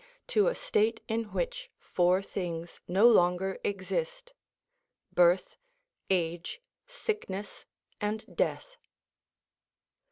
_, to a state in which four things no longer exist—birth, age, sickness, and death.